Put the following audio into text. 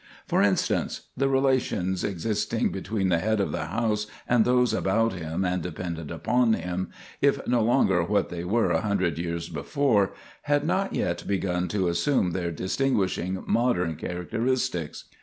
For instance, the relations existing between the head of the house and those about him and dependent upon him, if no longer what they were a hundred years before, had not yet begun to assume their distinguishing modern characteristics.